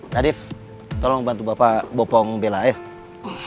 nadif tolong bantu bapak bopong bela yuk